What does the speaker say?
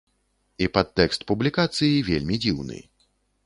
І падтэкст публікацыі вельмі дзіўны.